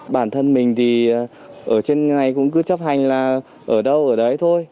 bản thân mình thì ở trên ngày cũng cứ chấp hành là ở đâu ở đấy thôi